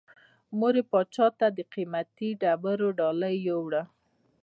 مور یې پاچا ته د قیمتي ډبرو ډالۍ یووړه.